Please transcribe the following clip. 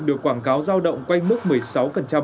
được quảng cáo giao động quanh mức một mươi sáu một năm